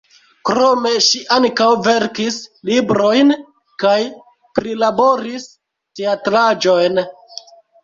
Krome ŝi ankaŭ verkis librojn kaj prilaboris teatraĵojn.